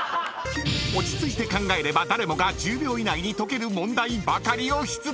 ［落ち着いて考えれば誰もが１０秒以内に解ける問題ばかりを出題。